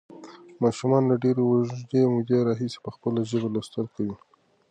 ماشومان له اوږدې مودې راهیسې په خپله ژبه لوستل کوي.